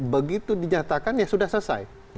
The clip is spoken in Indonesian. begitu dinyatakan ya sudah selesai